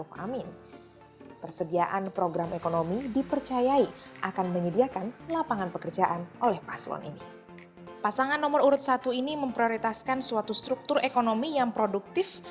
pasangan nomor urut satu ini memprioritaskan suatu struktur ekonomi yang produktif